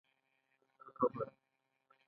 په ټول بدن يې د تودوخې څپه تېره شوه.